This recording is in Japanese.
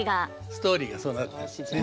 ストーリーがそうなってるんですね。